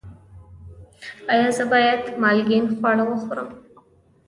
ایا زه باید مالګین خواړه وخورم؟